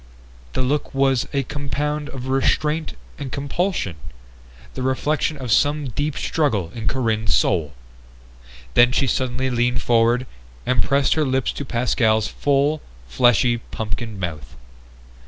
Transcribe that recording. The look was a compound of restraint and compulsion, the reflection of some deep struggle in Corinne's soul. Then she suddenly leaned forward and pressed her lips to Pascal's full, fleshy pumpkin mouth.